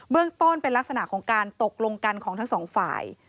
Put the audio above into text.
เรื่องต้นเป็นลักษณะของการตกลงกันของทั้งสองฝ่าย